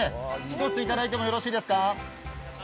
一ついただいてもよろしいですか？